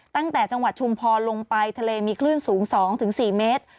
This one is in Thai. ตั้งแต่จังหวัดชุมพรลงไปทะเลมีคลื่นสูง๒๔เมตร